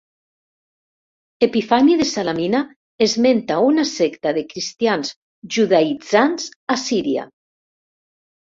Epifani de Salamina esmenta una secta de cristians judaïtzants a Síria.